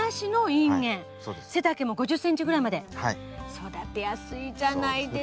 育てやすいじゃないですか。